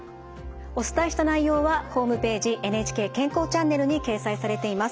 お伝えした内容はホームページ「ＮＨＫ健康チャンネル」に掲載されています。